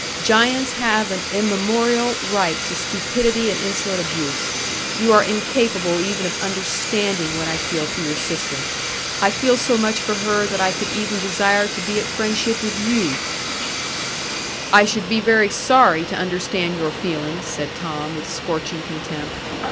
"Giants have an immemorial right to stupidity and insolent abuse. You are incapable even of understanding what I feel for your sister. I feel so much for her that I could even desire to be at friendship with you." "I should be very sorry to understand your feelings," said Tom, with scorching contempt.